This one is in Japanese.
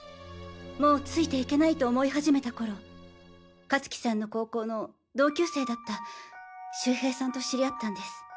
もうついていけないと思いはじめた頃香月さんの高校の同級生だった周平さんと知り合ったんです。